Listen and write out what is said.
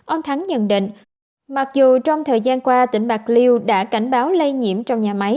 ông thắng nhận định mặc dù trong thời gian qua tỉnh bạc liêu đã cảnh báo lây nhiễm trong nhà máy